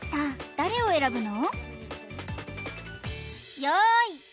誰を選ぶの？